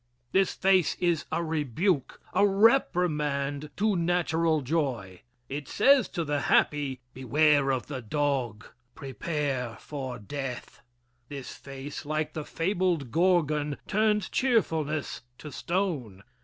This face is a rebuke, a reprimand to natural joy. It says to the happy: "Beware of the dog" "Prepare for death." This face, like the fabled Gorgon, turns cheerfulness to stone.